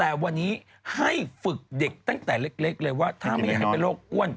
แต่วันนี้ให้ฝึกเด็กตั้งแต่เล็กเลยว่าถ้าไม่อยากให้เป็นโรคอ้วน